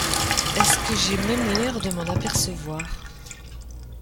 Est-ce que j’ai même l’air de m’en apercevoir ?